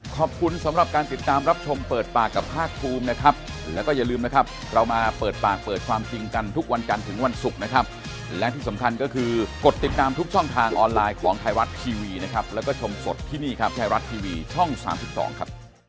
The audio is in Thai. ขอบคุณครับแค่รัททีวีช่อง๓๒ครับ